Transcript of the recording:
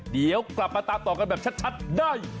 เดี๋ยวกลับมาตามต่อกันแบบชัดได้